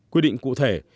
quy định cụ thể